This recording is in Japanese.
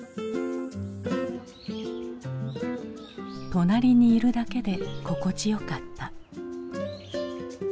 隣にいるだけで心地よかった。